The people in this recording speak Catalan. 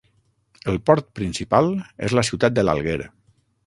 El port principal és la ciutat de l'Alguer.